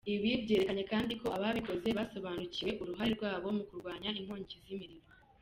Ibi byerekana kandi ko ababikoze basobanukiwe uruhare rwabo mu kurwanya inkongi z’imiriro."